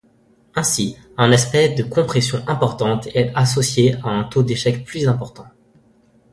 Ainsi, un aspect de compression importante est associée à un taux d'échec plus important.